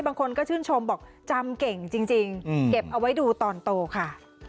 บางคนก็ชื่นชมบอกจำเก่งจริงเก็บเอาไว้ดูตอนโตค่ะ